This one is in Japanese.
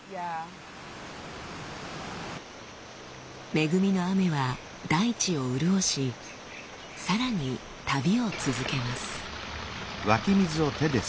恵みの雨は大地を潤しさらに旅を続けます。